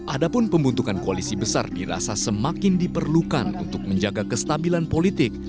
adapun pembentukan koalisi besar dirasa semakin diperlukan untuk menjaga kestabilan politik